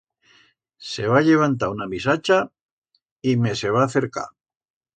Se va llevantar una misacha y me se va acercar.